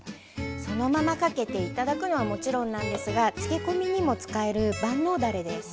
そのままかけて頂くのはもちろんなんですが漬け込みにも使える万能だれです。